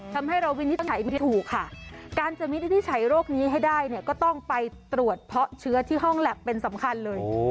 ทำให้เราวินิจฉัยไม่ถูกมีที่จะใช้โรคนี้ให้ได้ต้องไปตรวจเพาะเชื้อที่ห้องแล็กเป็นสำคัญเลย